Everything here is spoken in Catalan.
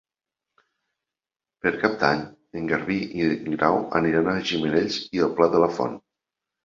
Per Cap d'Any en Garbí i en Grau aniran a Gimenells i el Pla de la Font.